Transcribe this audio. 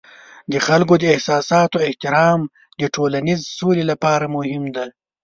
د خلکو د احساساتو احترام د ټولنیز سولې لپاره مهم دی.